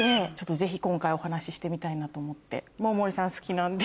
ぜひ今回お話ししてみたいなと思って。